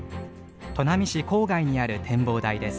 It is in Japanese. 砺波市郊外にある展望台です。